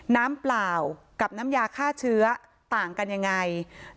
เปล่ากับน้ำยาฆ่าเชื้อต่างกันยังไง